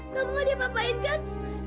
kamu gak diapa apain kan